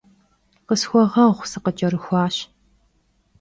Khısxueğueğu, sıkhıç'erıxuaş.